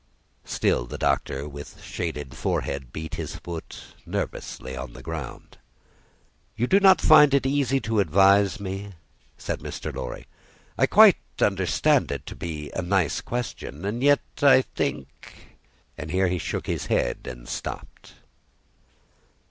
Still, the Doctor, with shaded forehead, beat his foot nervously on the ground. "You do not find it easy to advise me?" said Mr. Lorry. "I quite understand it to be a nice question. And yet I think " And there he shook his head, and stopped.